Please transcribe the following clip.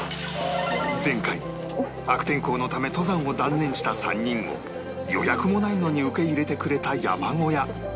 前回悪天候のため登山を断念した３人を予約もないのに受け入れてくれた山小屋